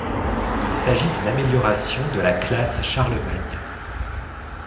Il s'agit d'une amélioration de la classe Charlemagne.